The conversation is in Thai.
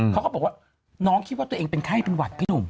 เขาก็บอกว่าน้องคิดว่าตัวเองเป็นไข้เป็นหวัดพี่หนุ่ม